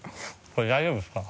これ大丈夫ですか？